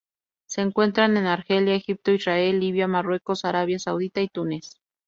Se encuentran en Argelia, Egipto, Israel, Libia, Marruecos, Arabia Saudita y Túnez.